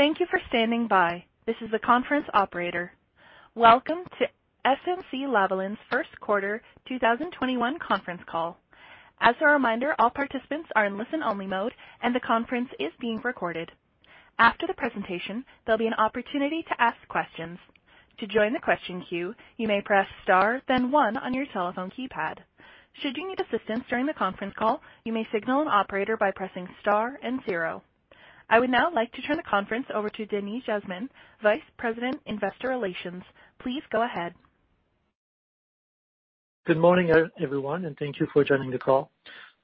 Thank you for standing by. This is the conference operator. Welcome to SNC-Lavalin's first quarter 2021 conference call. As a reminder, all participants are in listen-only mode, and the conference is being recorded. After the presentation, there'll be an opportunity to ask questions. To join the question queue you may press star then one on your telephone keypad. Should you need assistance during the conference call you may signal operator by pressing star and zero. I would now like to turn the conference over to Denis Jasmin, Vice President, Investor Relations. Please go ahead. Good morning, everyone, and thank you for joining the call.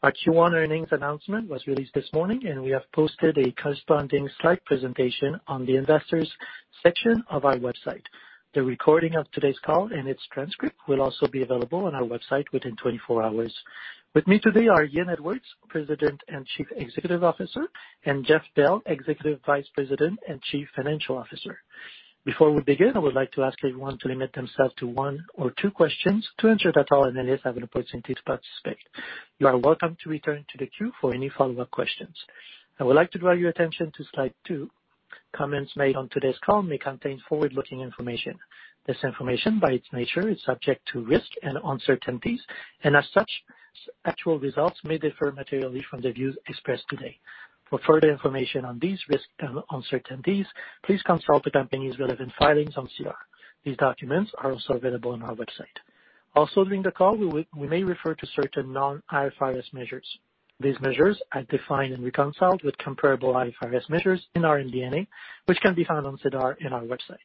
Our Q1 earnings announcement was released this morning, and we have posted a corresponding slide presentation on the Investors section of our website. The recording of today's call and its transcript will also be available on our website within 24 hours. With me today are Ian Edwards, President and Chief Executive Officer, and Jeff Bell, Executive Vice President and Chief Financial Officer. Before we begin, I would like to ask everyone to limit themselves to one or two questions to ensure that all analysts have an opportunity to participate. You are welcome to return to the queue for any follow-up questions. I would like to draw your attention to slide two. Comments made on today's call may contain forward-looking information. This information, by its nature, is subject to risks and uncertainties, and as such, actual results may differ materially from the views expressed today. For further information on these risks and uncertainties, please consult the company's relevant filings on SEDAR. These documents are also available on our website. During the call, we may refer to certain non-IFRS measures. These measures are defined and reconciled with comparable IFRS measures in our MD&A, which can be found on SEDAR in our website.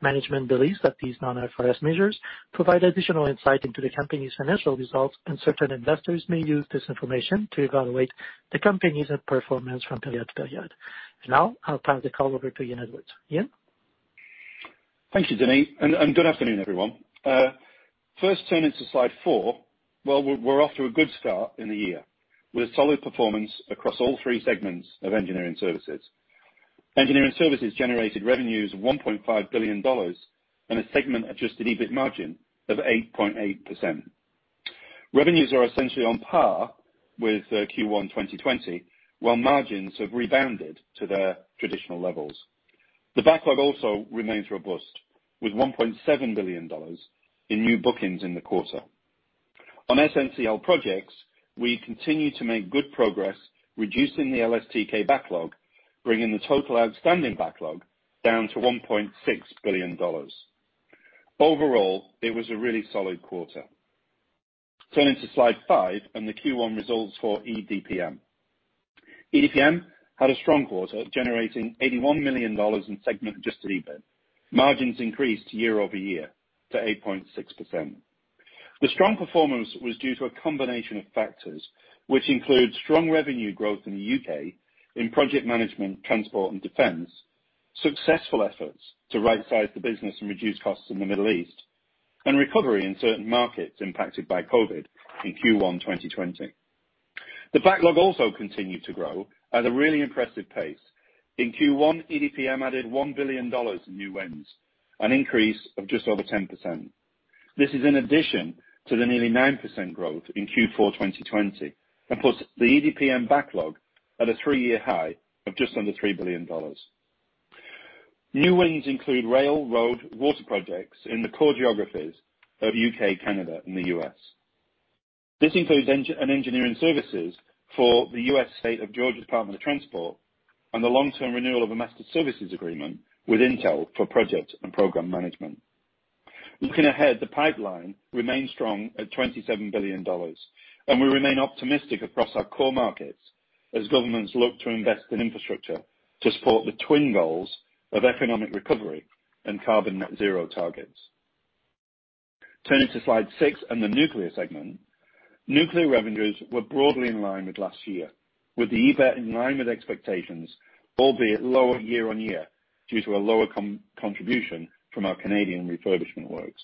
Management believes that these non-IFRS measures provide additional insight into the company's financial results, certain investors may use this information to evaluate the company's performance from period to period. I'll pass the call over to Ian Edwards. Ian? Thank you, Denis, and good afternoon, everyone. First, turning to slide four. We're off to a good start in the year with solid performance across all three segments of Engineering Services. Engineering Services generated revenues of 1.5 billion dollars and a segment adjusted EBIT margin of 8.8%. Revenues are essentially on par with Q1 2020, while margins have rebounded to their traditional levels. The backlog also remains robust, with 1.7 billion dollars in new bookings in the quarter. On SNCL Projects, we continue to make good progress reducing the LSTK backlog, bringing the total outstanding backlog down to 1.6 billion dollars. Overall, it was a really solid quarter. Turning to slide five and the Q1 results for EDPM. EDPM had a strong quarter, generating CAD 81 million in segment adjusted EBIT. Margins increased year-over-year to 8.6%. The strong performance was due to a combination of factors, which include strong revenue growth in the U.K. in project management, transport, and defense, successful efforts to rightsize the business and reduce costs in the Middle East, and recovery in certain markets impacted by COVID in Q1 2020. The backlog also continued to grow at a really impressive pace. In Q1, EDPM added 1 billion dollars in new wins, an increase of just over 10%. This is in addition to the nearly 9% growth in Q4 2020 and puts the EDPM backlog at a three-year high of just under 3 billion dollars. New wins include rail, road, water projects in the core geographies of U.K., Canada, and the U.S. This includes engineering services for the U.S. State of Georgia Department of Transportation and the long-term renewal of a master services agreement with Intel for project and program management. Looking ahead, the pipeline remains strong at 27 billion dollars. We remain optimistic across our core markets as governments look to invest in infrastructure to support the twin goals of economic recovery and carbon net zero targets. Turning to slide six and the nuclear segment. Nuclear revenues were broadly in line with last year, with the EBIT in line with expectations, albeit lower year-on-year due to a lower contribution from our Canadian refurbishment works.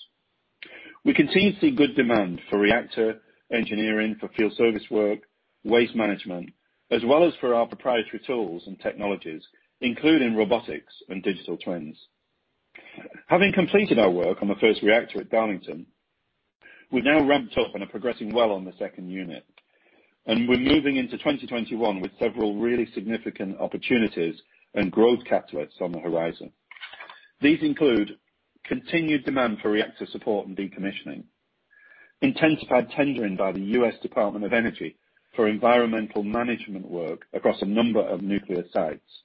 We continue to see good demand for reactor engineering, for field service work, waste management, as well as for our proprietary tools and technologies, including robotics and digital twins. Having completed our work on the first reactor at Darlington, we now ramped up and are progressing well on the second unit. We're moving into 2021 with several really significant opportunities and growth catalysts on the horizon. These include continued demand for reactor support and decommissioning, intensified tendering by the U.S. Department of Energy for environmental management work across a number of nuclear sites,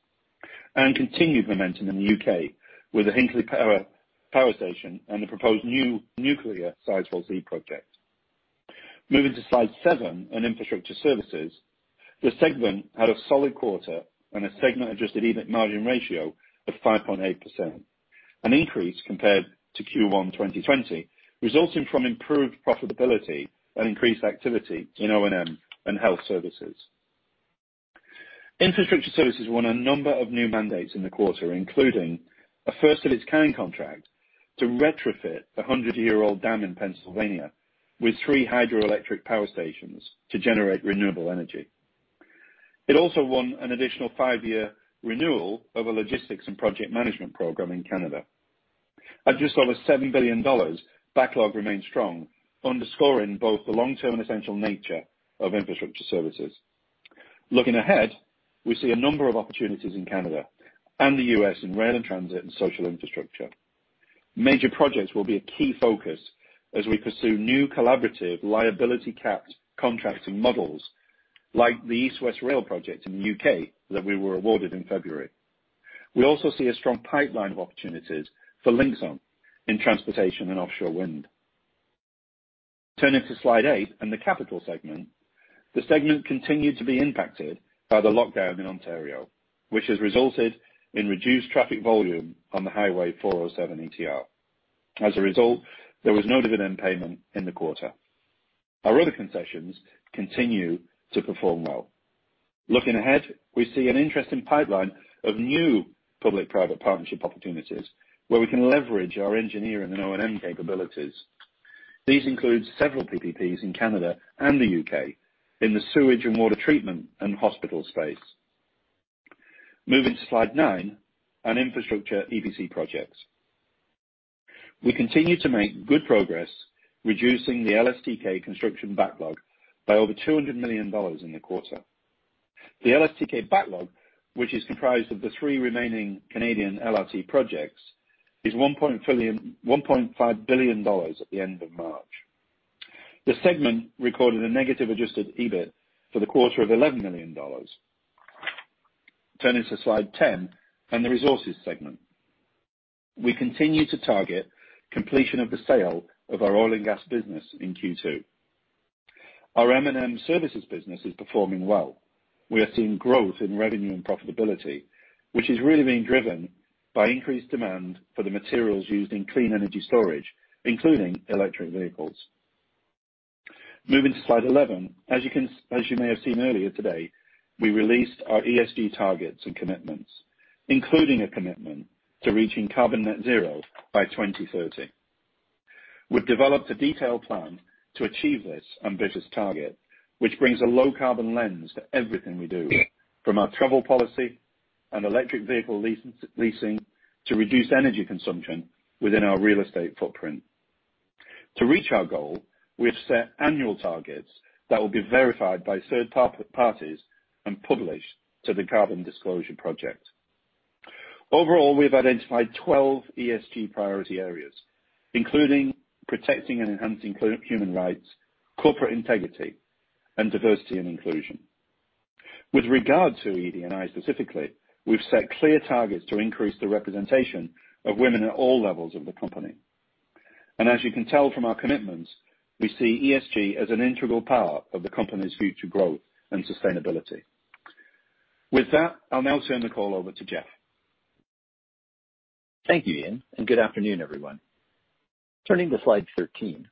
and continued momentum in the U.K. with the Hinkley power station and the proposed new nuclear Sizewell C project. Moving to slide seven on infrastructure services. The segment had a solid quarter and a segment adjusted EBIT margin ratio of 5.8%, an increase compared to Q1 2020, resulting from improved profitability and increased activity in O&M and health services. Infrastructure services won a number of new mandates in the quarter, including a first-of-its-kind contract to retrofit a 100-year-old dam in Pennsylvania with three hydroelectric power stations to generate renewable energy. It also won an additional five-year renewal of a logistics and project management program in Canada. At just over 7 billion dollars, backlog remains strong, underscoring both the long-term and essential nature of infrastructure services. Looking ahead, we see a number of opportunities in Canada and the U.S. in rail and transit and social infrastructure. Major projects will be a key focus as we pursue new collaborative liability-capped contracts and models like the East West Rail project in the U.K. that we were awarded in February. We also see a strong pipeline of opportunities for Linxon in transportation and offshore wind. Turning to slide eight and the capital segment. The segment continued to be impacted by the lockdown in Ontario, which has resulted in reduced traffic volume on the Highway 407 ETR. As a result, there was no dividend payment in the quarter. Our other concessions continue to perform well. Looking ahead, we see an interesting pipeline of new public-private partnership opportunities where we can leverage our engineering and O&M capabilities. These include several PPPs in Canada and the U.K. in the sewage and water treatment and hospital space. Moving to slide nine on infrastructure EPC projects. We continue to make good progress reducing the LSTK construction backlog by over 200 million dollars in the quarter. The LSTK backlog, which is comprised of the three remaining Canadian LRT projects, is 1.5 billion dollars at the end of March. The segment recorded a negative adjusted EBIT for the quarter of 11 million dollars. Turning to slide 10 and the resources segment. We continue to target completion of the sale of our oil and gas business in Q2. Our M&M services business is performing well. We are seeing growth in revenue and profitability, which is really being driven by increased demand for the materials used in clean energy storage, including electric vehicles. Moving to slide 11. As you may have seen earlier today, we released our ESG targets and commitments, including a commitment to reaching carbon net zero by 2030. We've developed a detailed plan to achieve this ambitious target, which brings a low carbon lens to everything we do, from our travel policy and electric vehicle leasing to reduced energy consumption within our real estate footprint. To reach our goal, we have set annual targets that will be verified by third parties and published to the Carbon Disclosure Project. Overall, we've identified 12 ESG priority areas, including protecting and enhancing human rights, corporate integrity, and diversity and inclusion. With regard to ED&I specifically, we've set clear targets to increase the representation of women at all levels of the company. As you can tell from our commitments, we see ESG as an integral part of the company's future growth and sustainability. With that, I'll now turn the call over to Jeff. Thank you, Ian, and good afternoon, everyone. Turning to slide 13,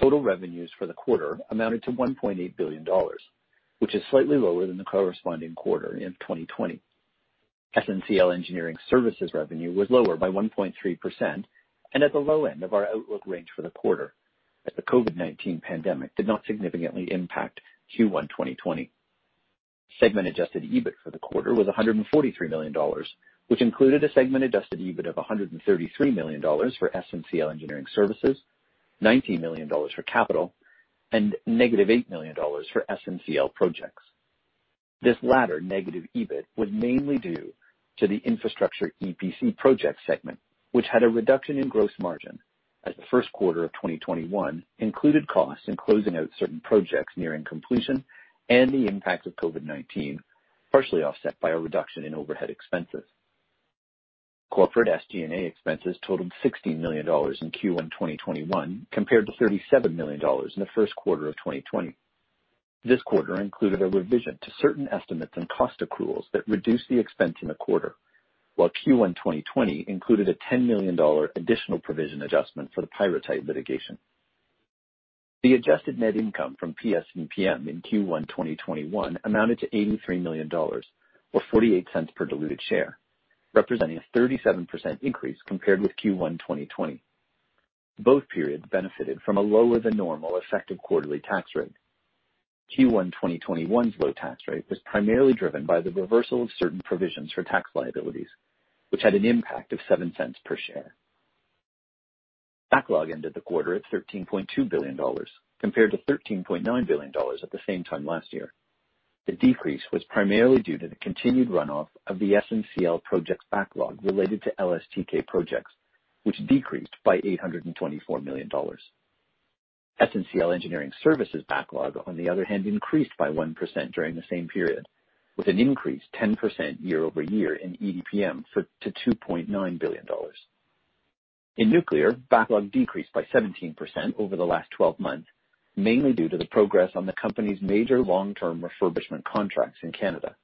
total revenues for the quarter amounted to 1.8 billion dollars, which is slightly lower than the corresponding quarter in 2020. SNCL Engineering Services revenue was lower by 1.3% and at the low end of our outlook range for the quarter, as the COVID-19 pandemic did not significantly impact Q1 2020. Segment adjusted EBIT for the quarter was 143 million dollars, which included a segment adjusted EBIT of 133 million dollars for SNCL Engineering Services, 19 million dollars for Capital, and negative 8 million dollars for SNCL Projects. This latter negative EBIT was mainly due to the infrastructure EPC project segment, which had a reduction in gross margin as the first quarter of 2021 included costs in closing out certain projects nearing completion and the impact of COVID-19, partially offset by a reduction in overhead expenses. Corporate SG&A expenses totaled 16 million dollars in Q1 2021 compared to 37 million dollars in the first quarter of 2020. This quarter included a revision to certain estimates and cost accruals that reduced the expense in the quarter, while Q1 2020 included a 10 million dollar additional provision adjustment for the Project Type litigation. The adjusted net income from PS&PM in Q1 2021 amounted to CAD 83 million or 0.48 per diluted share, representing a 37% increase compared with Q1 2020. Both periods benefited from a lower than normal effective quarterly tax rate. Q1 2021's low tax rate was primarily driven by the reversal of certain provisions for tax liabilities, which had an impact of 0.07 per share. Backlog ended the quarter at 13.2 billion dollars, compared to 13.9 billion dollars at the same time last year. The decrease was primarily due to the continued runoff of the SNCL project backlog related to LSTK Projects, which decreased by 824 million dollars. SNCL Engineering Services backlog, on the other hand, increased by 1% during the same period, with an increase 10% year-over-year in EDPM to 2.9 billion dollars. In nuclear, backlog decreased by 17% over the last 12 months, mainly due to the progress on the company's major long-term refurbishment contracts in Canada.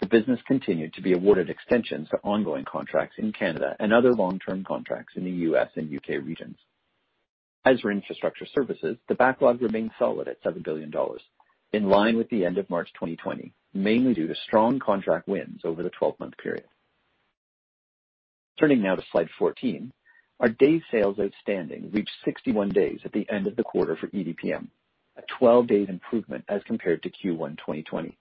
The business continued to be awarded extensions to ongoing contracts in Canada and other long-term contracts in the U.S. and U.K. regions. As for infrastructure services, the backlog remains solid at 7 billion dollars, in line with the end of March 2020, mainly due to strong contract wins over the 12-month period. Turning now to slide 14, our day sales outstanding reached 61 days at the end of the quarter for EDPM, a 12-day improvement as compared to Q1 2020.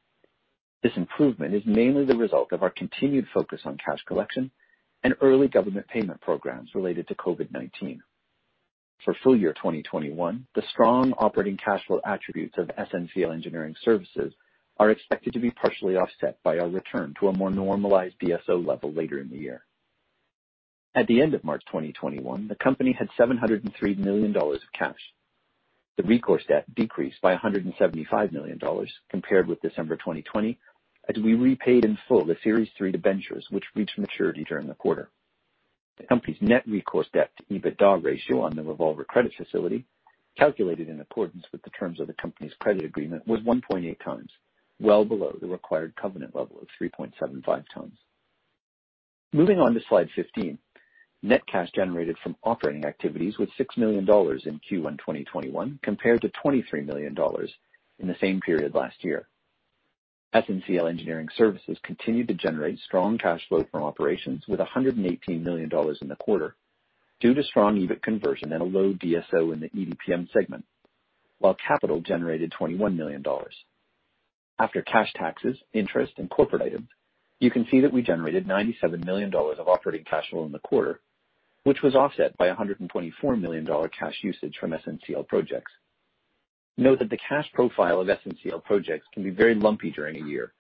This improvement is mainly the result of our continued focus on cash collection and early government payment programs related to COVID-19. For full year 2021, the strong operating cash flow attributes of SNCL Engineering Services are expected to be partially offset by our return to a more normalized DSO level later in the year. At the end of March 2021, the company had 703 million dollars of cash. The recourse debt decreased by 175 million dollars compared with December 2020, as we repaid in full the series 3 debentures which reached maturity during the quarter. The company's net recourse debt to EBITDA ratio on the revolver credit facility, calculated in accordance with the terms of the company's credit agreement, was 1.8x, well below the required covenant level of 3.75x. Moving on to slide 15. Net cash generated from operating activities was 6 million dollars in Q1 2021, compared to 23 million dollars in the same period last year. SNCL Engineering Services continued to generate strong cash flow from operations with 118 million dollars in the quarter due to strong EBIT conversion and a low DSO in the EDPM segment, while capital generated 21 million dollars. After cash taxes, interest, and corporate items, you can see that we generated 97 million dollars of operating cash flow in the quarter, which was offset by 124 million dollar cash usage from SNCL projects. Note that the cash profile of SNCL Projects can be very lumpy during a year,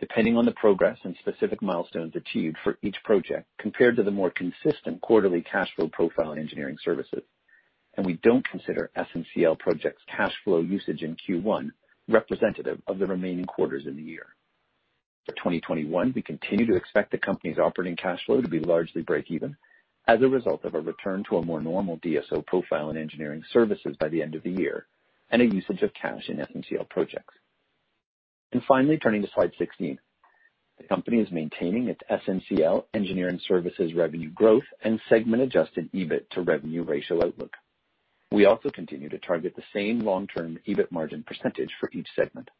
depending on the progress and specific milestones achieved for each project, compared to the more consistent quarterly cash flow profile in Engineering Services. We don't consider SNCL Projects cash flow usage in Q1 representative of the remaining quarters in the year. For 2021, we continue to expect the company's operating cash flow to be largely breakeven as a result of a return to a more normal DSO profile in Engineering Services by the end of the year, and a usage of cash in SNCL Projects. Finally, turning to slide 16. The company is maintaining its SNCL Engineering Services revenue growth and segment adjusted EBIT to revenue ratio outlook. We also continue to target the same long-term EBIT margin percentage for each segment.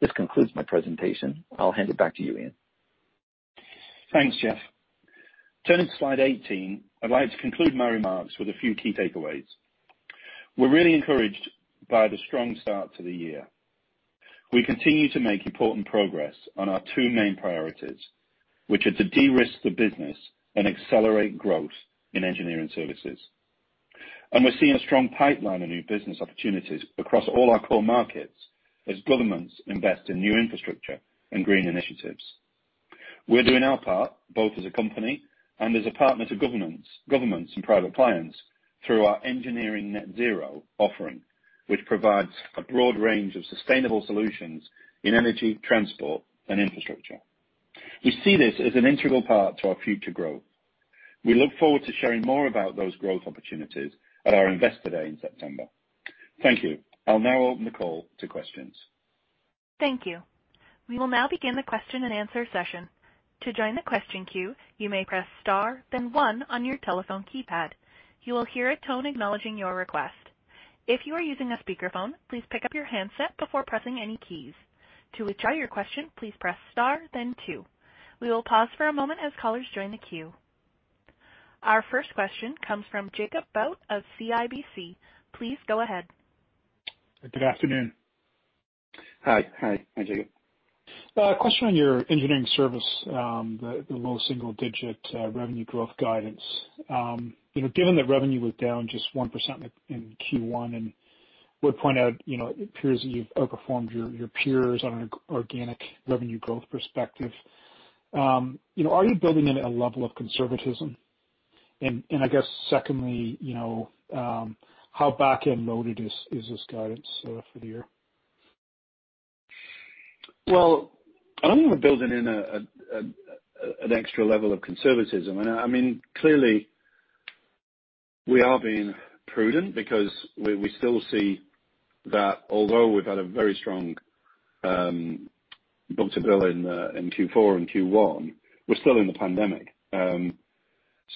This concludes my presentation. I'll hand it back to you, Ian. Thanks, Jeff. Turning to slide 18, I'd like to conclude my remarks with a few key takeaways. We're really encouraged by the strong start to the year. We continue to make important progress on our two main priorities, which are to de-risk the business and accelerate growth in Engineering Services. We're seeing a strong pipeline of new business opportunities across all our core markets as governments invest in new infrastructure and green initiatives. We're doing our part, both as a company and as a partner to governments and private clients through our Engineering Net Zero offering, which provides a broad range of sustainable solutions in energy, transport, and infrastructure. We see this as an integral part to our future growth. We look forward to sharing more about those growth opportunities at our Investor Day in September. Thank you. I'll now open the call to questions. Thank you. We will now begin the question and answer session. To join the question queue, you may press star, then one on your telephone keypad. You will hear a tone acknowledging your request. If you are using a speakerphone, please pick up your handset before pressing any keys. To withdraw your question, please press star then two. We will pause for a moment as callers join the queue. Our first question comes from Jacob Bout of CIBC. Please go ahead. Good afternoon. Hi, Jacob. A question on your engineering service, the low single-digit revenue growth guidance. Given that revenue was down just 1% in Q1, would point out it appears that you've outperformed your peers on an organic revenue growth perspective. Are you building in a level of conservatism? I guess secondly, how backend loaded is this guidance for the year? Well, I don't know if we're building in an extra level of conservatism. Clearly, we are being prudent because we still see that although we've had a very strong book to bill in Q4 and Q1, we're still in the pandemic.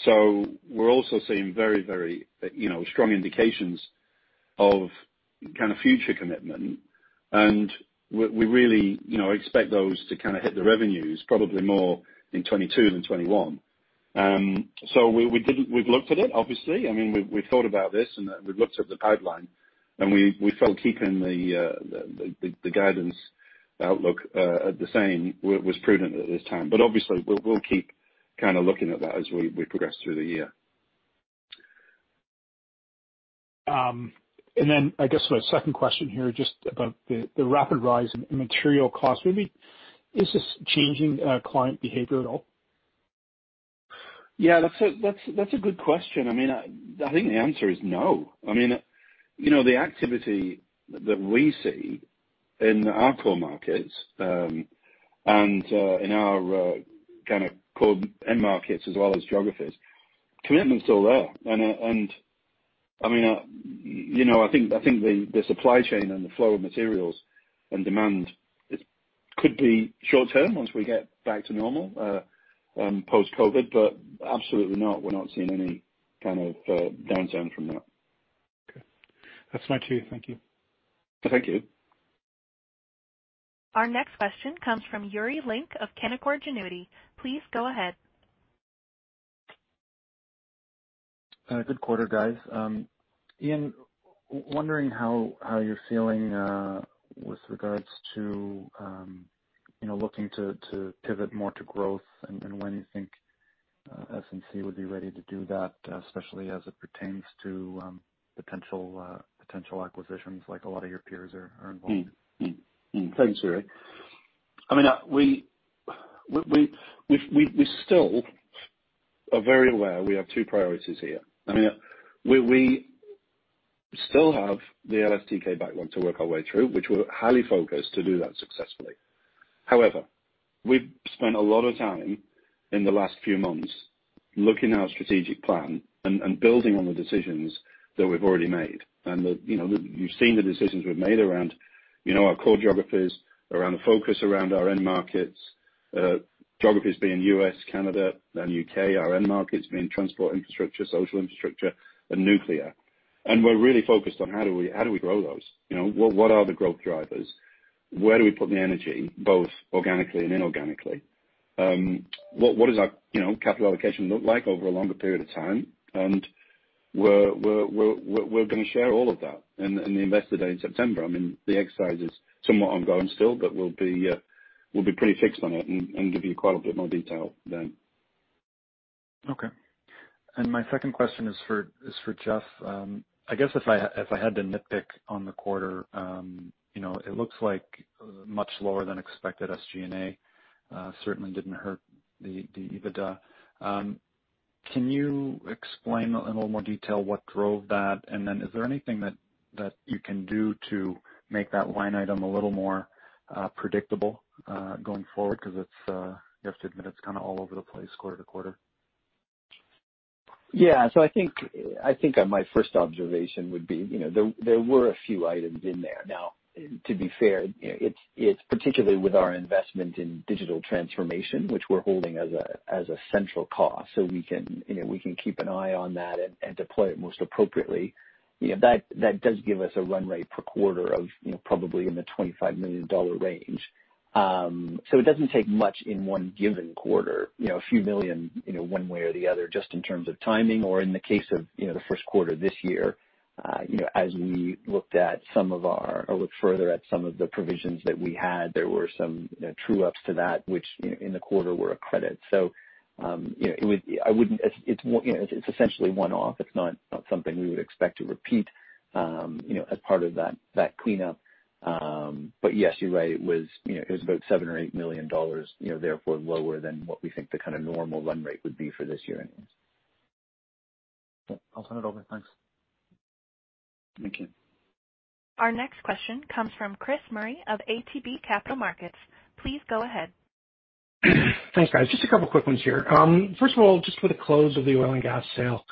We're also seeing very strong indications of kind of future commitment, and we really expect those to kind of hit the revenues probably more in 2022 than 2021. We've looked at it, obviously. We've thought about this, and we've looked at the pipeline, and we felt keeping the guidance outlook at the same was prudent at this time. Obviously, we'll keep kind of looking at that as we progress through the year. I guess my second question here, just about the rapid rise in material costs. Maybe is this changing client behavior at all? Yeah, that's a good question. I think the answer is no. The activity that we see in our core markets, and in our kind of core end markets as well as geographies, commitment is still there. I think the supply chain and the flow of materials and demand could be short term once we get back to normal post-COVID. Absolutely not, we're not seeing any kind of downturn from that. Okay. That's my two. Thank you. Thank you. Our next question comes from Yuri Lynk of Canaccord Genuity. Please go ahead. Good quarter, guys. Ian, wondering how you're feeling with regards to looking to pivot more to growth, and when you think SNC would be ready to do that, especially as it pertains to potential acquisitions like a lot of your peers are involved in? Thanks, Yuri. We still are very aware we have two priorities here. We still have the LSTK backlog to work our way through, which we're highly focused to do that successfully. However, we've spent a lot of time in the last few months looking at our strategic plan and building on the decisions that we've already made. You've seen the decisions we've made around our core geographies, around the focus around our end markets. Geographies being U.S., Canada, then U.K., our end markets being transport infrastructure, social infrastructure, and nuclear. We're really focused on how do we grow those. What are the growth drivers? Where do we put the energy, both organically and inorganically? What does our capital allocation look like over a longer period of time? We're going to share all of that in the Investor Day in September. The exercise is somewhat ongoing still, but we'll be pretty fixed on it and give you quite a bit more detail then. Okay. My second question is for Jeff. I guess if I had to nitpick on the quarter, it looks like much lower than expected SG&A. Certainly didn't hurt the EBITDA. Can you explain in a little more detail what drove that? Is there anything that you can do to make that line item a little more predictable, going forward? You have to admit, it's kind of all over the place quarter-to-quarter. Yeah. I think my first observation would be, there were a few items in there. Now, to be fair, it's particularly with our investment in digital transformation, which we're holding as a central cost, so we can keep an eye on that and deploy it most appropriately. That does give us a run rate per quarter of probably in the 25 million dollar range. It doesn't take much in one given quarter, a few million CAD one way or the other, just in terms of timing or in the case of the first quarter this year, as we looked further at some of the provisions that we had, there were some true ups to that which, in the quarter, were a credit. It's essentially one-off. It's not something we would expect to repeat as part of that cleanup. Yes, you're right, it was about 7 million or 8 million dollars, therefore lower than what we think the kind of normal run rate would be for this year anyways. I'll turn it over. Thanks. Thank you. Our next question comes from Chris Murray of ATB Capital Markets. Please go ahead. Thanks, guys. Just a couple quick ones here. First of all, just for the close of the oil and gas sale.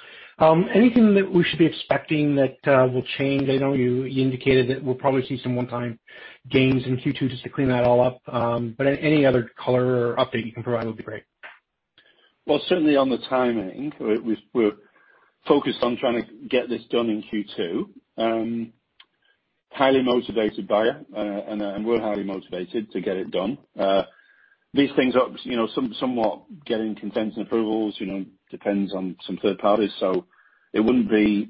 Anything that we should be expecting that will change? I know you indicated that we'll probably see some one-time gains in Q2 just to clean that all up. But any other color or update you can provide would be great. Well, certainly on the timing, we're focused on trying to get this done in Q2. Highly motivated buyer, and we're highly motivated to get it done. These things are somewhat getting consents and approvals, depends on some third parties, so it wouldn't be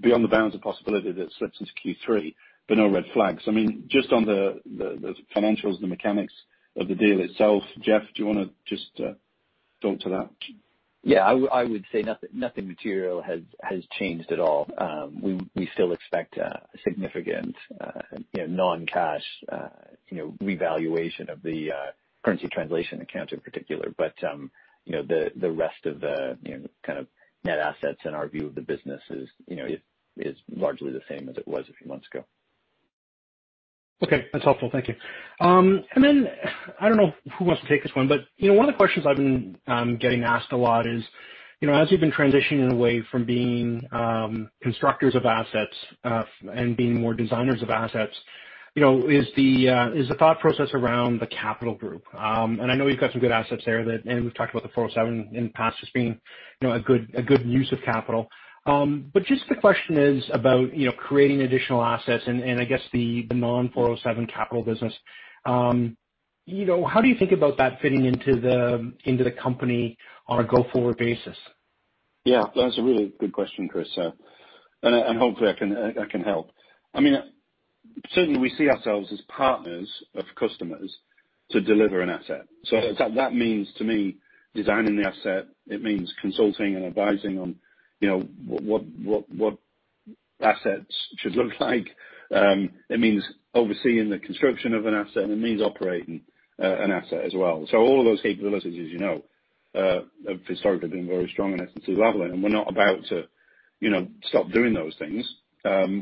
beyond the bounds of possibility that it slips into Q3, but no red flags. Just on the financials, the mechanics of the deal itself, Jeff, do you want to just talk to that? Yeah, I would say nothing material has changed at all. We still expect a significant non-cash revaluation of the currency translation accounts in particular. The rest of the kind of net assets and our view of the business is largely the same as it was a few months ago. Okay. That's helpful. Thank you. I don't know who wants to take this one, but one of the questions I've been getting asked a lot is, as you've been transitioning away from being constructors of assets, and being more designers of assets, is the thought process around the capital group. I know you've got some good assets there, and we've talked about the 407 in the past as being a good use of capital. Just the question is about creating additional assets and I guess the non-407 capital business. How do you think about that fitting into the company on a go-forward basis? Yeah. That's a really good question, Chris, hopefully I can help. Certainly we see ourselves as partners of customers to deliver an asset. That means, to me, designing the asset, it means consulting and advising on what assets should look like. It means overseeing the construction of an asset, and it means operating an asset as well. All of those capabilities, as you know, have historically been very strong in SNC-Lavalin, and we're not about to stop doing those things.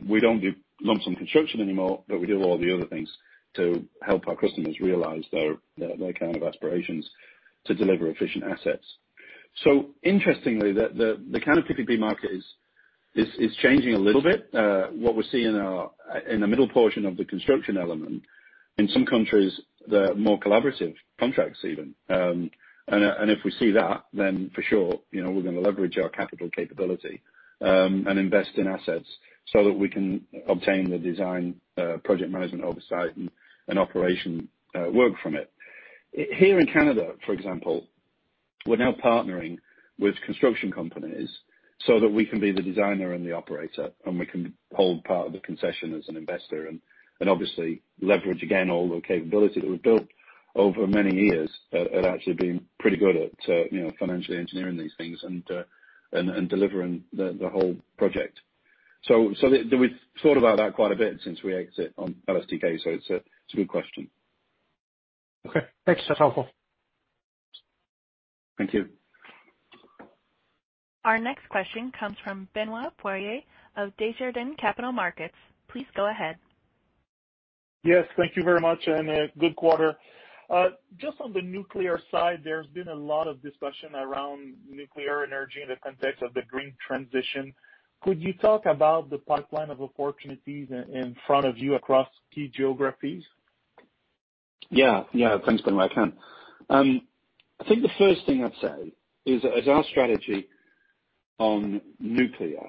We don't do lump sum construction anymore, but we do all the other things to help our customers realize their kind of aspirations to deliver efficient assets. Interestingly, the kind of PPP market is changing a little bit. What we see in the middle portion of the construction element, in some countries, they're more collaborative contracts even. If we see that, then for sure, we're going to leverage our capital capability, and invest in assets so that we can obtain the design, project management oversight, and operation work from it. Here in Canada, for example, we're now partnering with construction companies so that we can be the designer and the operator, and we can hold part of the concession as an investor and obviously leverage again all the capability that we've built over many years at actually being pretty good at financially engineering these things and delivering the whole project. We've thought about that quite a bit since we exit on LSTK, so it's a good question. Okay, thanks. That's helpful. Thank you. Our next question comes from Benoit Poirier of Desjardins Capital Markets. Please go ahead. Yes, thank you very much, and good quarter. Just on the nuclear side, there's been a lot of discussion around nuclear energy in the context of the green transition. Could you talk about the pipeline of opportunities in front of you across key geographies? Thanks, Benoit Poirier. I think the first thing I'd say is our strategy on nuclear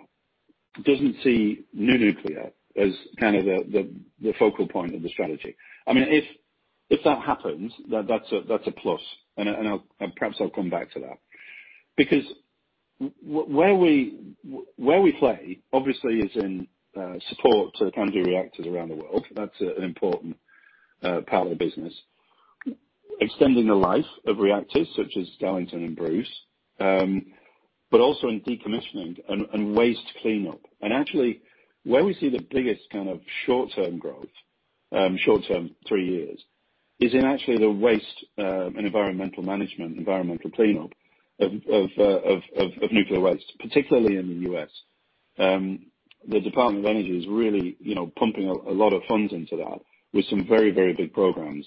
doesn't see new nuclear as kind of the focal point of the strategy. If that happens, that's a plus, and perhaps I'll come back to that. Where we play obviously is in support to the kinds of reactors around the world. That's an important part of the business. Extending the life of reactors such as Darlington and Bruce, but also in decommissioning and waste cleanup. Actually, where we see the biggest kind of short-term growth, short-term three years, is in actually the waste and environmental management, environmental cleanup of nuclear waste, particularly in the U.S. The U.S. Department of Energy is really pumping a lot of funds into that with some very big programs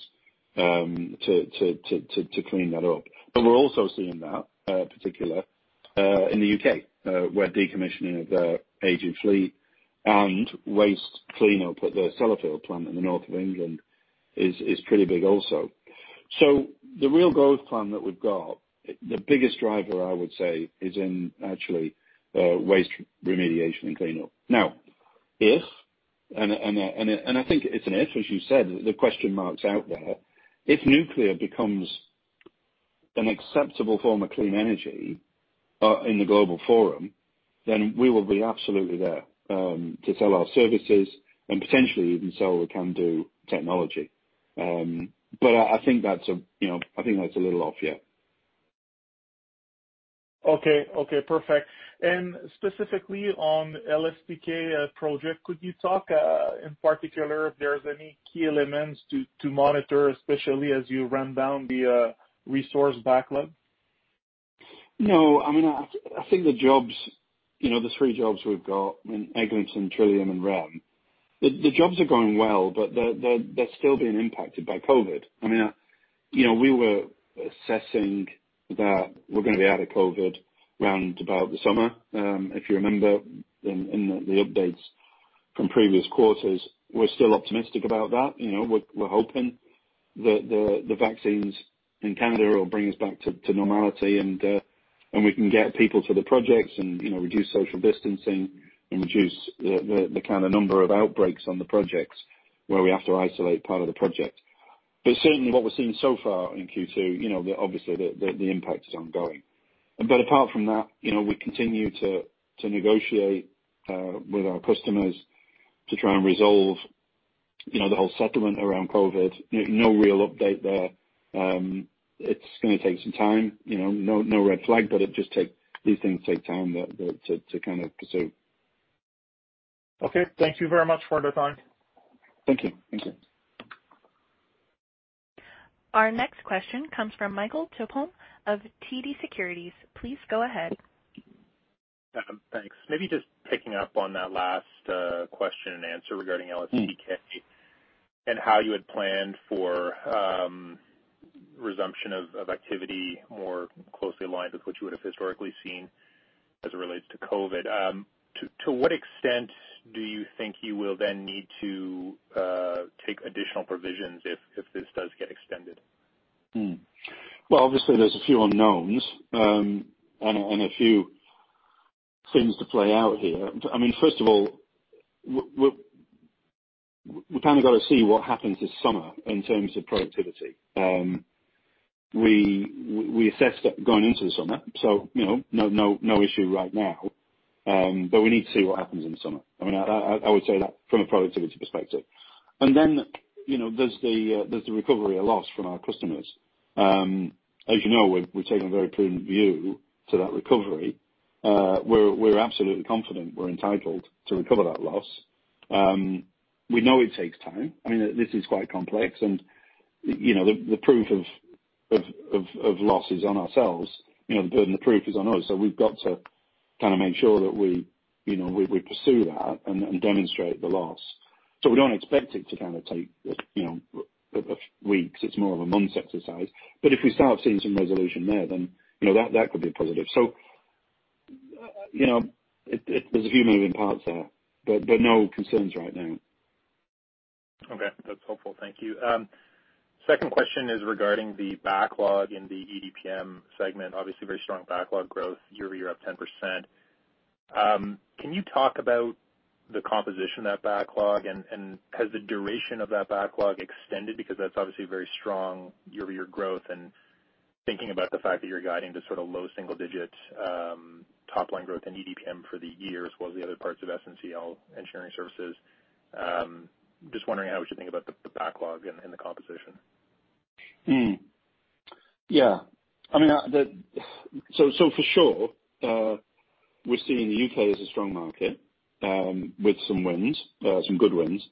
to clean that up. We're also seeing that particular in the U.K., where decommissioning of the aging fleet and waste cleanup at the Sellafield plant in the north of England is pretty big also. The real growth plan that we've got, the biggest driver, I would say, is in actually waste remediation and cleanup. Now, if, and I think it's an if, as you said, the question mark's out there. If nuclear becomes an acceptable form of clean energy in the global forum, then we will be absolutely there to sell our services and potentially even sell the CANDU technology. I think that's a little off yet. Okay. Perfect. Specifically on LSTK project, could you talk, in particular, if there's any key elements to monitor, especially as you ramp down the resource backlog? No. I think the three jobs we've got in Eglinton, Trillium and REM, the jobs are going well, but they're still being impacted by COVID. We were assessing that we're going to be out of COVID round about the summer. If you remember in the updates from previous quarters, we're still optimistic about that. We're hoping the vaccines in Canada will bring us back to normality and we can get people to the projects and reduce social distancing and reduce the number of outbreaks on the projects where we have to isolate part of the project. Certainly what we're seeing so far in Q2, obviously the impact is ongoing. Apart from that, we continue to negotiate with our customers to try and resolve the whole settlement around COVID. No real update there. It's going to take some time. No red flag, but these things take time to pursue. Okay. Thank you very much for the time. Thank you. Our next question comes from Michael Tupholme of TD Securities. Please go ahead. Thanks. Maybe just picking up on that last question and answer regarding LSTK and how you had planned for resumption of activity more closely aligned with what you would have historically seen as it relates to COVID. To what extent do you think you will then need to take additional provisions if this does get extended? Well, obviously there's a few unknowns, and a few things to play out here. First of all, we've kind of got to see what happens this summer in terms of productivity. We assessed that going into the summer. No issue right now. We need to see what happens in the summer. I would say that from a productivity perspective. There's the recovery of loss from our customers. As you know, we've taken a very prudent view to that recovery. We're absolutely confident we're entitled to recover that loss. We know it takes time. This is quite complex. The proof of loss is on ourselves, the burden of proof is on us. We've got to make sure that we pursue that and demonstrate the loss. We don't expect it to take weeks. It's more of a months exercise. If we start seeing some resolution there, then that could be a positive. There's a few moving parts there, but no concerns right now. Okay. That's helpful. Thank you. Second question is regarding the backlog in the EDPM segment. Obviously very strong backlog growth year-over-year up 10%. Can you talk about the composition of that backlog? Has the duration of that backlog extended because that's obviously very strong year-over-year growth and thinking about the fact that you're guiding to low single-digit top-line growth in EDPM for the year as well as the other parts of SNCL Engineering Services, I'm just wondering how we should think about the backlog and the composition. Yeah. For sure, we're seeing the U.K. as a strong market, with some wins, some good wins.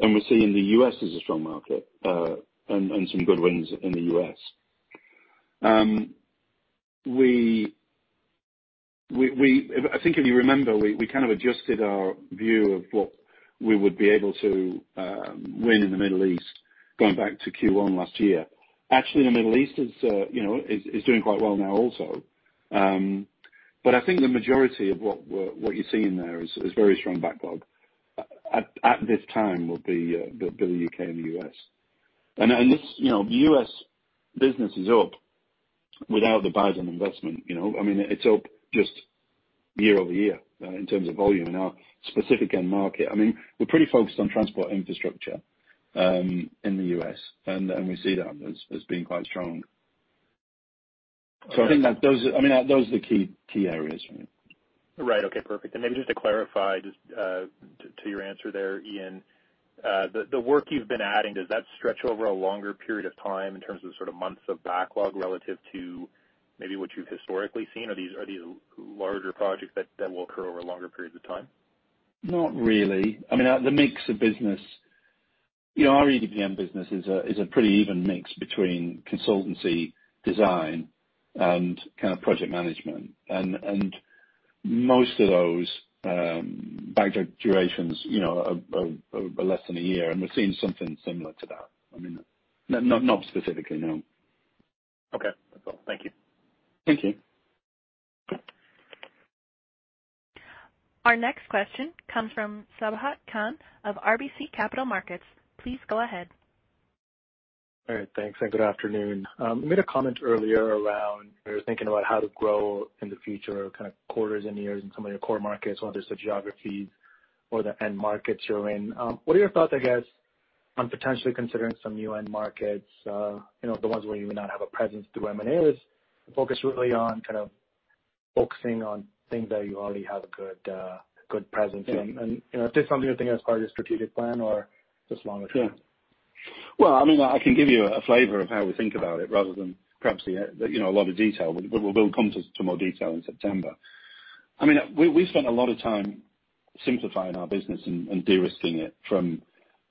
We're seeing the U.S. as a strong market, and some good wins in the U.S. I think if you remember, we kind of adjusted our view of what we would be able to win in the Middle East going back to Q1 last year. Actually, the Middle East is doing quite well now also. I think the majority of what you're seeing there is very strong backlog at this time will be the U.K. and the U.S. The U.S. business is up without the Biden investment. It's up just year-over-year in terms of volume in our specific end market. We're pretty focused on transport infrastructure in the U.S., and we see that as being quite strong. I think those are the key areas for me. Right. Okay, perfect. Maybe just to clarify to your answer there, Ian, the work you've been adding, does that stretch over a longer period of time in terms of months of backlog relative to maybe what you've historically seen? Are these larger projects that will occur over longer periods of time? Not really. The mix of business, our EDPM business is a pretty even mix between consultancy, design, and project management. Most of those backlog durations are less than a year, and we're seeing something similar to that. Not specifically, no. Okay. That's all. Thank you. Thank you. Our next question comes from Sabahat Khan of RBC Capital Markets. Please go ahead. All right. Thanks, good afternoon. You made a comment earlier around, you were thinking about how to grow in the future, quarters and years in some of your core markets, whether it's the geographies or the end markets you're in. What are your thoughts, I guess, on potentially considering some new end markets, the ones where you may not have a presence through M&A, or is the focus really on focusing on things that you already have a good presence in? Is this something you're thinking as part of your strategic plan or just longer term? Well, I can give you a flavor of how we think about it rather than perhaps a lot of detail. We'll come to more detail in September. We've spent a lot of time simplifying our business and de-risking it from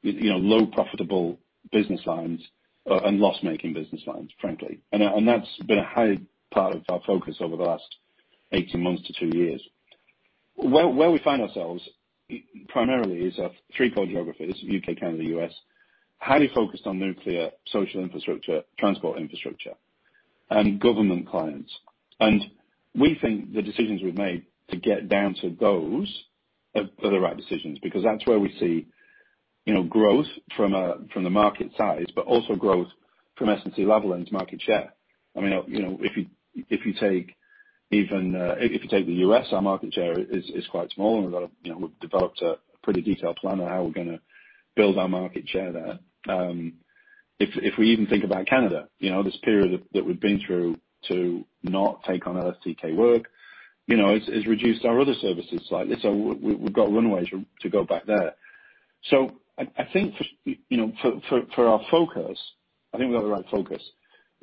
low profitable business lines and loss-making business lines, frankly. That's been a high part of our focus over the last 18 months to two years. Where we find ourselves primarily is three core geographies, U.K., Canada, U.S., highly focused on nuclear, social infrastructure, transport infrastructure, and government clients. We think the decisions we've made to get down to those are the right decisions, because that's where we see growth from the market size, but also growth from SNCL into market share. If you take the U.S., our market share is quite small and we've developed a pretty detailed plan on how we're going to build our market share there. If we even think about Canada, this period that we've been through to not take on LSTK work, has reduced our other services slightly. We've got runways to go back there. I think for our focus, I think we got the right focus.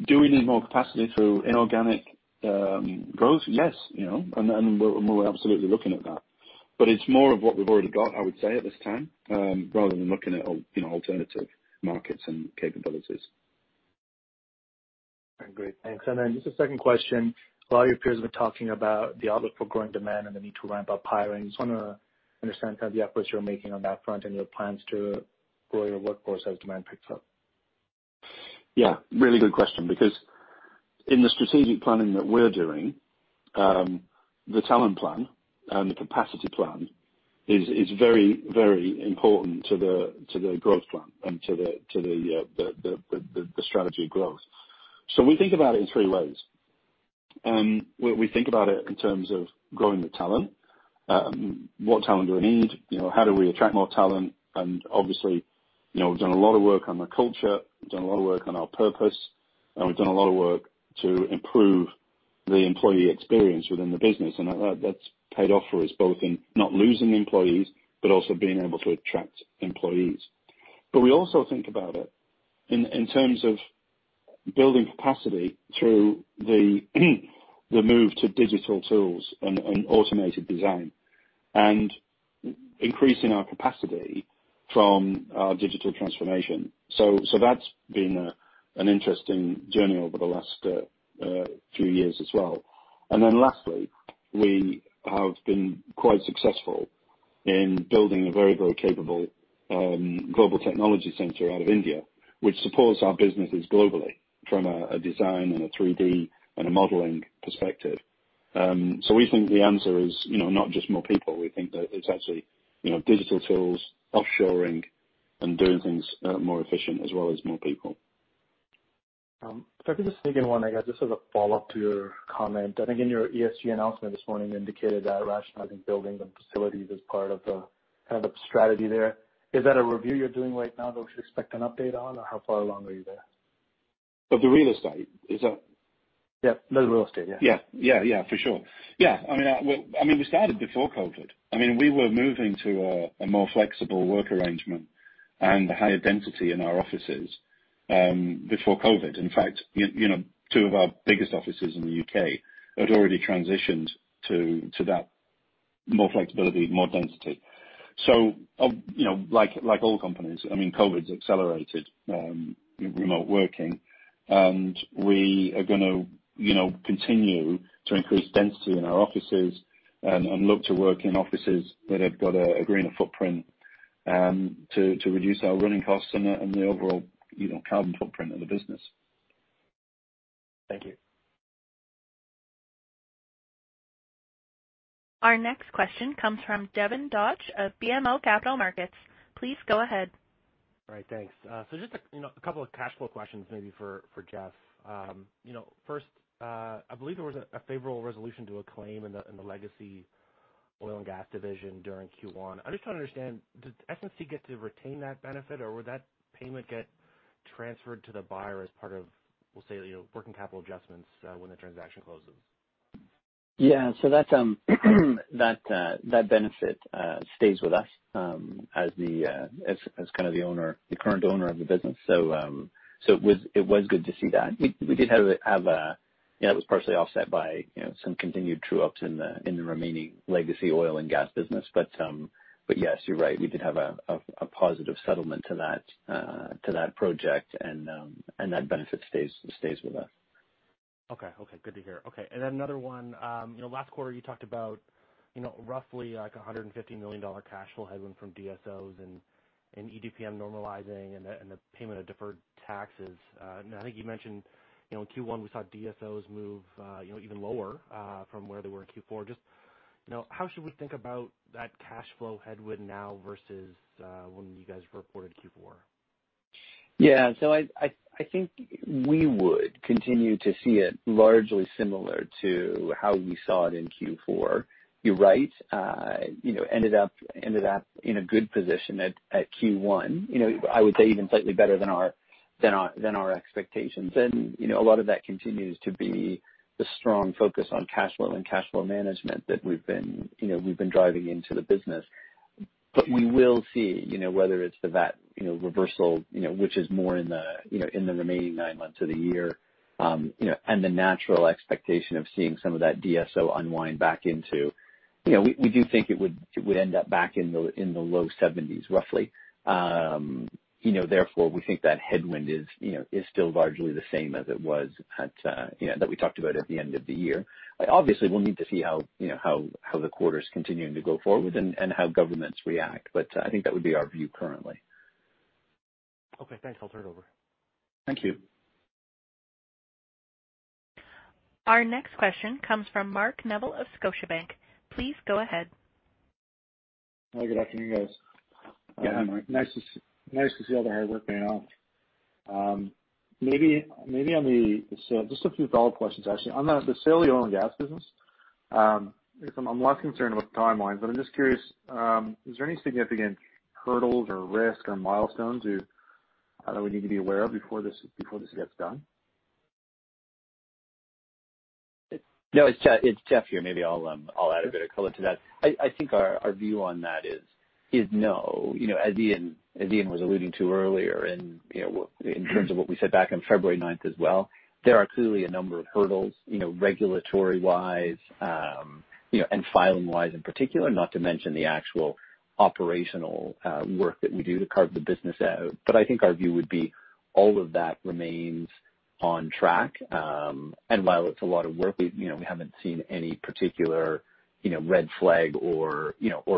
Do we need more capacity through inorganic growth? Yes, we're absolutely looking at that. It's more of what we've already got, I would say, at this time, rather than looking at alternative markets and capabilities. Great. Thanks. Just a second question. A lot of your peers have been talking about the outlook for growing demand and the need to ramp up hiring. Just want to understand the efforts you're making on that front and your plans to grow your workforce as demand picks up. Yeah, really good question because in the strategic planning that we're doing, the talent plan and the capacity plan is very important to the growth plan and to the strategy of growth. We think about it in three ways. We think about it in terms of growing the talent. What talent do we need? How do we attract more talent? Obviously, we've done a lot of work on the culture, we've done a lot of work on our purpose, and we've done a lot of work to improve the employee experience within the business, and that's paid off for us, both in not losing employees, but also being able to attract employees. We also think about it in terms of building capacity through the move to digital tools and automated design, and increasing our capacity from our digital transformation. That's been an interesting journey over the last few years as well. Lastly, we have been quite successful in building a very capable global technology center out of India, which supports our businesses globally from a design and a 3D and a modeling perspective. We think the answer is not just more people. We think that it's actually digital tools, offshoring, and doing things more efficient as well as more people. If I could just sneak in one, I guess just as a follow-up to your comment. I think in your ESG announcement this morning, you indicated that rationalizing buildings and facilities is part of the strategy there. Is that a review you're doing right now that we should expect an update on? Or how far along are you there? Of the real estate? Is that- Yeah. The real estate, yeah. Yeah. For sure. Yeah, we started before COVID. We were moving to a more flexible work arrangement and a higher density in our offices, before COVID. In fact, two of our biggest offices in the U.K. had already transitioned to that more flexibility, more density. Like all companies, COVID's accelerated remote working, and we are going to continue to increase density in our offices, and look to work in offices that have got a greener footprint, to reduce our running costs and the overall carbon footprint of the business. Thank you. Our next question comes from Devin Dodge of BMO Capital Markets. Please go ahead. All right, thanks. Just a couple of cash flow questions maybe for Jeff. First, I believe there was a favorable resolution to a claim in the legacy oil and gas division during Q1. I'm just trying to understand, does SNC get to retain that benefit, or would that payment get transferred to the buyer as part of, we'll say, working capital adjustments when the transaction closes? Yeah, that benefit stays with us as kind of the current owner of the business. It was good to see that. It was partially offset by some continued true-ups in the remaining legacy oil and gas business. Yes, you're right, we did have a positive settlement to that project, and that benefit stays with us. Okay. Good to hear. Okay, then another one. Last quarter you talked about roughly 150 million dollar cash flow headwind from DSOs and EDPM normalizing and the payment of deferred taxes. I think you mentioned, in Q1 we saw DSOs move even lower from where they were in Q4. Just how should we think about that cash flow headwind now versus when you guys reported Q1? Yeah, I think we would continue to see it largely similar to how we saw it in Q4. You are right. Ended up in a good position at Q1. I would say even slightly better than our expectations. A lot of that continues to be the strong focus on cash flow and cash flow management that we have been driving into the business. We will see, whether it is the VAT reversal which is more in the remaining nine months of the year, and the natural expectation of seeing some of that DSO unwind. We do think it would end up back in the low 70s, roughly. Therefore, we think that headwind is still largely the same as it was that we talked about at the end of the year. We'll need to see how the quarter's continuing to go forward and how governments react, but I think that would be our view currently. Okay, thanks. I'll turn it over. Thank you. Our next question comes from Mark Neville of Scotiabank. Please go ahead. Hi, good afternoon, guys. Yeah, hi, Mark. Nice to see all the hard work paying off. Maybe on the sale, just a few follow-up questions, actually. On the sale of the oil and gas business, I'm less concerned about timelines, but I'm just curious, is there any significant hurdles or risk or milestones that we need to be aware of before this gets done? No, it's Jeff here. Maybe I'll add a bit of color to that. I think our view on that is no. As Ian was alluding to earlier, in terms of what we said back on February 9th as well, there are clearly a number of hurdles, regulatory-wise, and filing-wise in particular, not to mention the actual operational work that we do to carve the business out. I think our view would be all of that remains on track. While it's a lot of work, we haven't seen any particular red flag or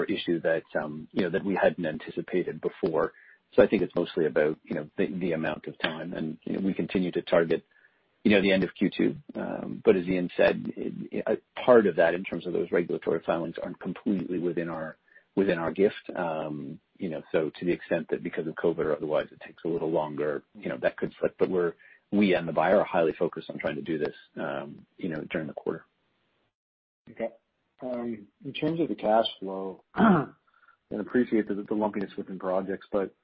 issue that we hadn't anticipated before. I think it's mostly about the amount of time, and we continue to target the end of Q2. As Ian said, part of that, in terms of those regulatory filings, aren't completely within our gift. To the extent that because of COVID or otherwise it takes a little longer, that could slip. We and the buyer are highly focused on trying to do this during the quarter. Okay. In terms of the cash flow, and appreciate the lumpiness within projects, but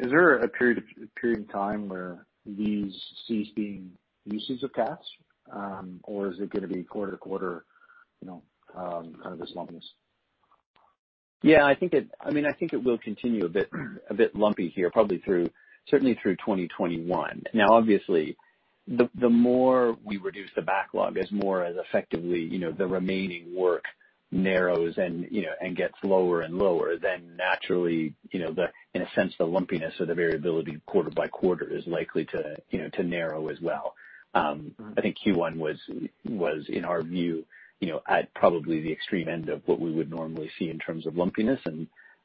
is there a period of time where we cease seeing uses of cash? Or is it going to be quarter-to-quarter kind of this lumpiness? I think it will continue a bit lumpy here, probably certainly through 2021. Obviously, the more we reduce the backlog as effectively the remaining work narrows and gets lower and lower, then naturally in a sense the lumpiness or the variability quarter-by-quarter is likely to narrow as well. I think Q1 was, in our view, at probably the extreme end of what we would normally see in terms of lumpiness.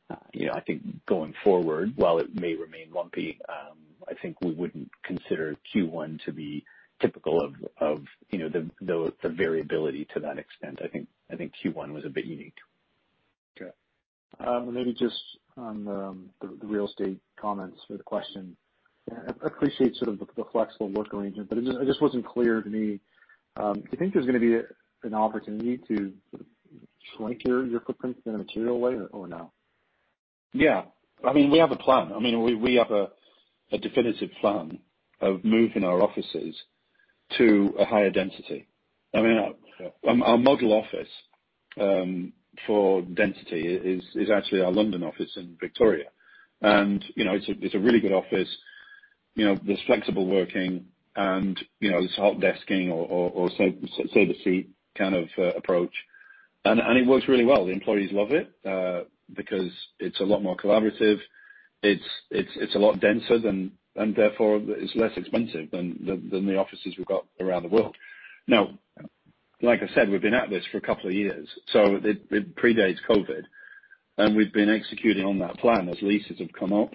I think going forward, while it may remain lumpy, I think we wouldn't consider Q1 to be typical of the variability to that extent. I think Q1 was a bit unique. Okay. Maybe just on the real estate comments for the question. I appreciate the flexible work arrangement, but it just wasn't clear to me. Do you think there's going to be an opportunity to shrink your footprint in a material way or no? Yeah. We have a plan. We have a definitive plan of moving our offices to a higher density. Sure. Our model office for density is actually our London office in Victoria. It's a really good office. There's flexible working and there's hot desking or save-a-seat kind of approach. It works really well. The employees love it, because it's a lot more collaborative. It's a lot denser, therefore, it's less expensive than the offices we've got around the world. Now, like I said, we've been at this for a couple of years, so it predates COVID. We've been executing on that plan as leases have come up.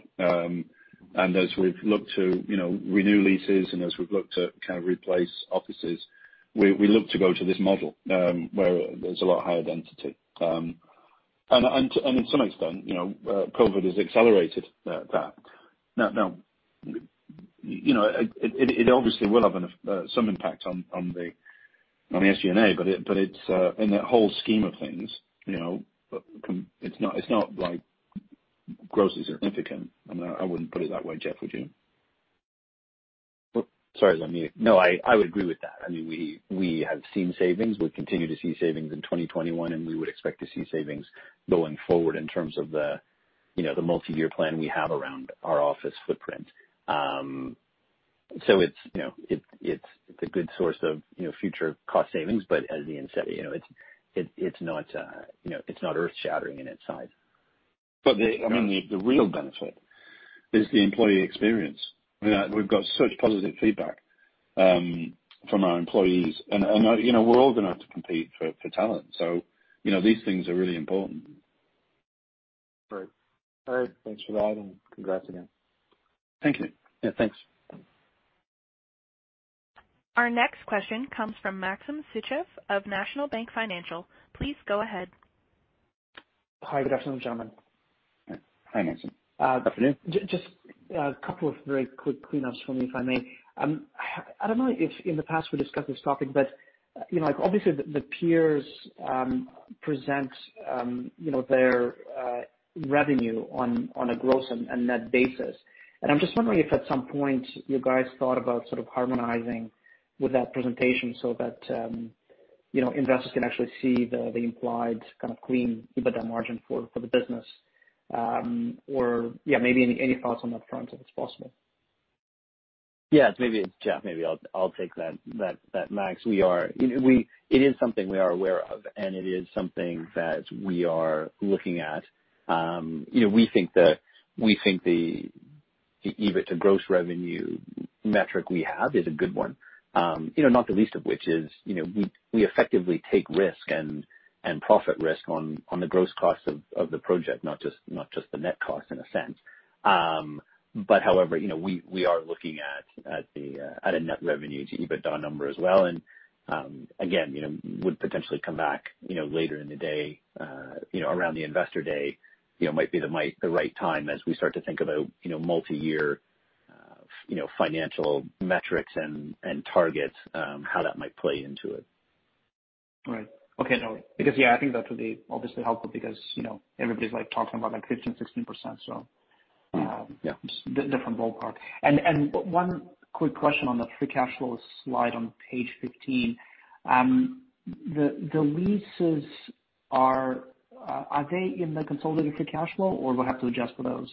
As we've looked to renew leases and as we've looked to replace offices, we look to go to this model, where there's a lot higher density. To some extent, COVID has accelerated that. Now, it obviously will have some impact on the SG&A, but in the whole scheme of things, it's not grossly significant. I wouldn't put it that way, Jeff, would you? Sorry, I was on mute. No, I would agree with that. We have seen savings. We continue to see savings in 2021, and we would expect to see savings going forward in terms of the multi-year plan we have around our office footprint. It's a good source of future cost savings, but as Ian said, it's not earth-shattering in its size. The real benefit is the employee experience. Yeah. We've got such positive feedback from our employees. We're old enough to compete for talent, so these things are really important. Great. All right. Thanks for that, and congrats again. Thank you. Yeah, thanks. Our next question comes from Maxim Sytchev of National Bank Financial. Please go ahead. Hi. Good afternoon, gentlemen. Hi, Maxim. Afternoon. Just a couple of very quick cleanups for me, if I may. I don't know if in the past we discussed this topic, obviously the peers present their revenue on a gross and net basis. I'm just wondering if at some point you guys thought about harmonizing with that presentation so that investors can actually see the implied clean EBITDA margin for the business. Yeah, maybe any thoughts on that front, if it's possible. Jeff, maybe I'll take that, Max. It is something we are aware of, and it is something that we are looking at. We think the EBITDA to gross revenue metric we have is a good one. Not the least of which is we effectively take risk and profit risk on the gross cost of the project, not just the net cost, in a sense. However, we are looking at a net revenue to EBITDA number as well, and again, would potentially come back later in the day. Around the investor day might be the right time as we start to think about multi-year financial metrics and targets, how that might play into it. Right. Okay. No, because yeah, I think that would be obviously helpful because everybody's talking about 15%-16%. Mm-hmm. Yeah different ballpark. One quick question on the free cash flow slide on page 15. The leases, are they in the consolidated free cash flow, or do I have to adjust for those?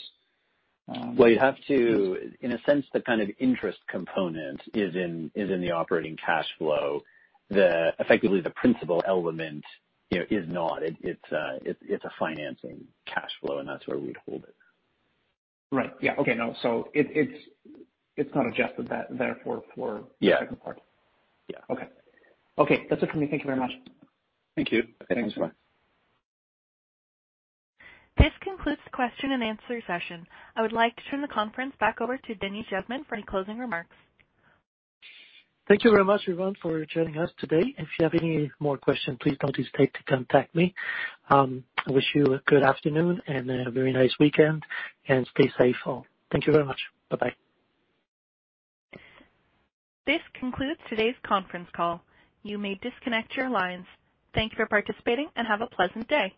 Well, you have to, in a sense, the interest component is in the operating cash flow. Effectively, the principal element is not. It's a financing cash flow, and that's where we'd hold it. Right. Yeah. Okay, no. It's not adjusted, therefore, for. Yeah the second part. Yeah. Okay. Okay. That's it for me. Thank you very much. Thank you. Thanks. This concludes the question and answer session. I would like to turn the conference back over to Denis Jasmin for any closing remarks. Thank you very much, everyone, for joining us today. If you have any more questions, please don't hesitate to contact me. I wish you a good afternoon and a very nice weekend, and stay safe all. Thank you very much. Bye-bye. This concludes today's conference call. You may disconnect your lines. Thank you for participating, and have a pleasant day.